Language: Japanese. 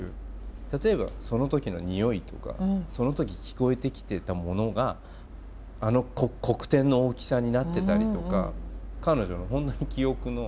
例えばその時の匂いとかその時聞こえてきてたものがあの黒点の大きさになってたりとか彼女の本当に記憶の。